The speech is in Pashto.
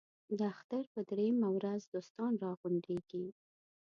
د اختر په درېیمه ورځ دوستان را غونډېږي.